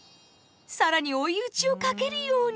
更に追い打ちをかけるように。